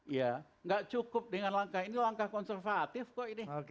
ya nggak cukup dengan langkah ini langkah konservatif kok ini